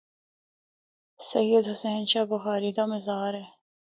سید حسین شاہ بخاری دا مزار اے۔